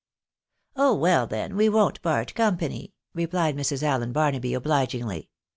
" Oh! well then, we won't part company," replied Mrs. Allen Barnaby, obligingly.